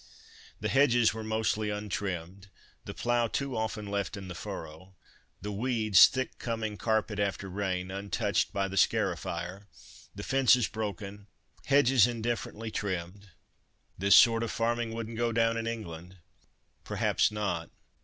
The hedges were mostly untrimmed, the plough too often left in the furrow; the weeds, "thick coming carpet after rain," untouched by the scarifier; the fences broken, hedges indifferently trimmed. "This sort of farming wouldn't go down in England." "Perhaps not.